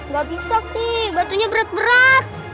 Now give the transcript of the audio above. gak bisa nih batunya berat berat